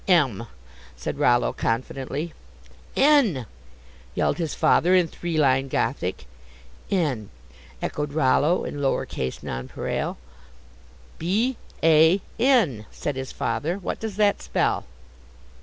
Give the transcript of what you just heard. "M," said Rollo, confidently. "N!" yelled his father, in three line Gothic. "N," echoed Rollo, in lower case nonpareil. "B a n," said his father, "what does that spell?"